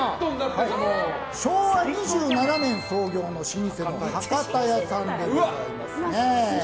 昭和２７年創業の老舗博多屋さんでございます。